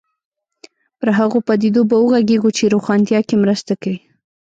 پر هغو پدیدو به وغږېږو چې روښانتیا کې مرسته کوي.